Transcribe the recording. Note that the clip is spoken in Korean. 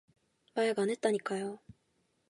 마약 안 했다니까요.